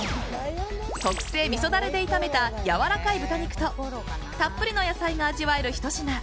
特製みそダレで炒めたやわらかい豚肉とたっぷりの野菜が味わえるひと品。